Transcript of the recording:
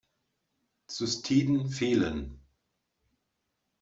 Zystiden fehlen.